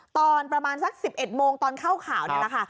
ตอนประมาณสัก๑๑โมงตอนเข้าข่าวนี่แหละค่ะ